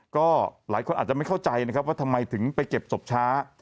ก็หลายคนอาจจะไม่เข้าใจนะครับว่าทำไมถึงไปเก็บศพช้า